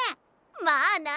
まあな！